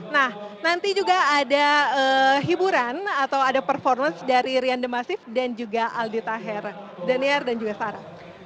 nah nanti juga ada hiburan atau ada performance dari rian de masif dan juga aldi taher daniar dan juga sarah